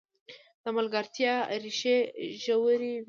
د ملګرتیا ریښې ژورې وي.